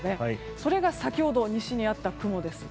それが先ほど西にあった雲です。